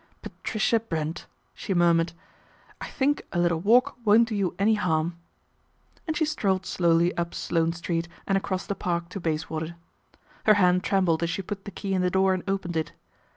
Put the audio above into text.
" Patricia Brent," she murmured, " I think a little walk won't do you any harm," and she strolled slowly up Sloane Street and across the Park to Bayswater. Her hand trembled as she put the key in the door and opened it.